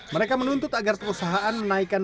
mereka menuntut agar perusahaan menaikkan